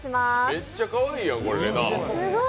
めっちゃかわいいやん、れなぁ。